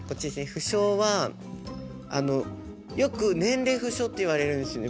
不詳はあのよく年齢不詳って言われるんですね